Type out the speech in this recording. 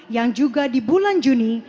yang juga di bulan juni